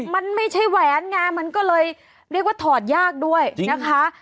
มันไม่ใช่แหวนไงมันก็เลยเรียกว่าถอดยากด้วยนะคะ